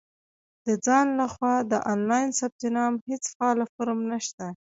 • د ځان له خوا د آنلاین ثبت نام هېڅ فعاله فورم نشته.